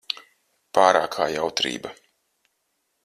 Pārākā jautrība.